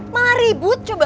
malah ribut coba